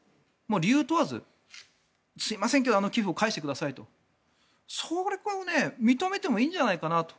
理由を問わず、すみませんけど寄付を返してくださいとそれを認めてもいいんじゃないかなと。